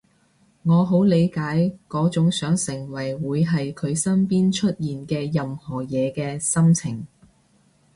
我好理解嗰種想成為會喺佢身邊出現嘅任何嘢嘅心情